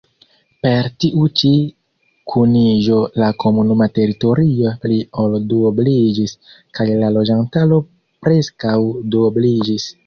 Per tiu-ĉi kuniĝo la komunuma teritorio pli ol duobliĝis kaj la loĝantaro preskaŭ duobliĝis.